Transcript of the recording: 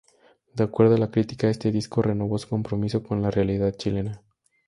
De acuerdo a la crítica, este disco "renovó su compromiso con la realidad chilena".